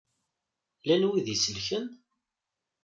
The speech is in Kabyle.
Llan wid i iselken?